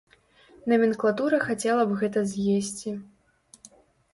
Наменклатура хацела б гэта з'есці.